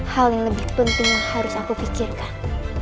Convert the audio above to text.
hal yang lebih penting yang harus aku pikirkan